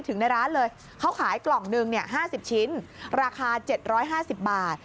ในร้านเลยเขาขายกล่องหนึ่ง๕๐ชิ้นราคา๗๕๐บาท